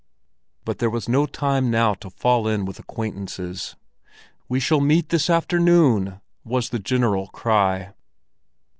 But there was no time now to fall in with acquaintances. "We shall meet this afternoon!" was the general cry.